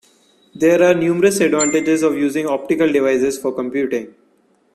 There are numerous advantages of using optical devices for computing.